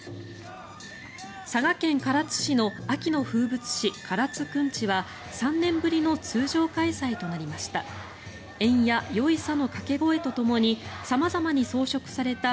佐賀県唐津市の秋の風物詩唐津くんちは３年ぶりの通常開催となりました。